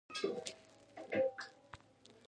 تالک د کاغذ او رنګ په جوړولو کې کاریږي.